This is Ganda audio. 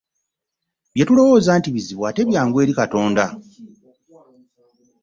Bye tulowooza nti bizibu ate byangu eri Katonda.